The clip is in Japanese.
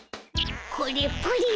これプリン